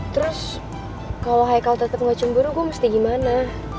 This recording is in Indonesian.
terus kalau haikal tetep gak cemburu gue mesti gimana